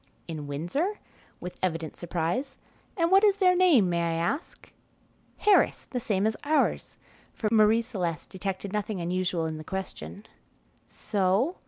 "In Windsor?" with evident surprise; "and what is their name, may I ask?" "Harris, the same as ours;" for Marie Celeste detected nothing unusual in the question. "So?"